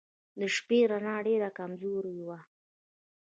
د شپې رڼا ډېره کمزورې وه.